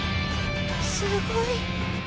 すごい。